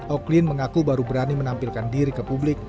oklin mengaku baru berani menampilkan diri ke publik